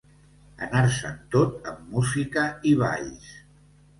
Anar-se'n tot amb música i balls.